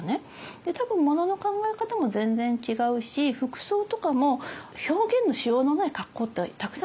で多分ものの考え方も全然違うし服装とかも表現のしようのない格好ってたくさんあったと思うんです。